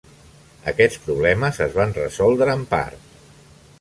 Aquests problemes es van resoldre en part.